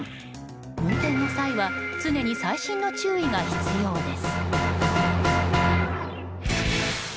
運転の際は常に細心の注意が必要です。